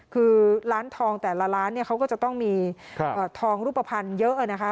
คือร้านทองแต่ละร้านเนี่ยเขาก็จะต้องมีทองรูปภัณฑ์เยอะนะคะ